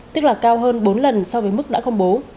tức là cao hơn bốn lần so với mức đã công bố